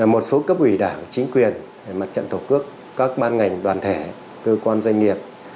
một số cấp ủy đảng chính quyền mặt trận tổ quốc các ban ngành đoàn thể cơ quan doanh nghiệp